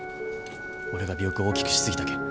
俺が尾翼を大きくしすぎたけん。